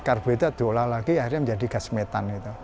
karbohidrat diolah lagi akhirnya menjadi gas metan gitu